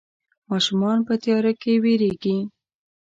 ماشومان په تياره کې ويرېږي.